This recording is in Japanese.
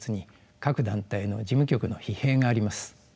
各団体の事務局の疲弊があります。